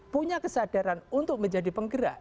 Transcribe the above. punya kesadaran untuk menjadi penggerak